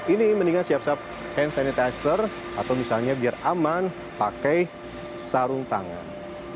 ini mendingan siap siap hand sanitizer atau misalnya biar aman pakai sarung tangan